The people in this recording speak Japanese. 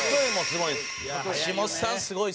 すごい。